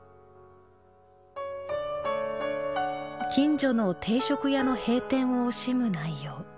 近所の定食屋の閉店を惜しむ内容。